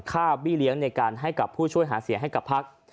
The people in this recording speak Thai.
เบี้เลี้ยงในการให้กับผู้ช่วยหาเสียให้กับพัก